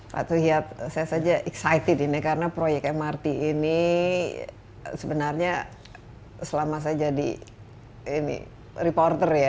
saya saja excited ini karena proyek mrt ini sebenarnya selama saya jadi reporter ya